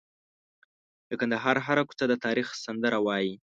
د کندهار هره کوڅه د تاریخ سندره وایي.